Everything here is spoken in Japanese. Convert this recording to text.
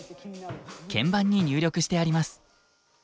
鍵盤に入力してあります。